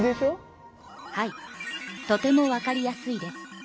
はいとてもわかりやすいです。